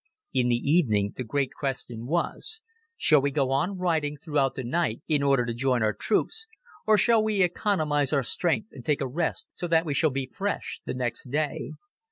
In the evening, the great question was: Shall we go on riding, throughout the night in order to join our troops, or shall we economize our strength and take a rest so that we shall be fresh the next day?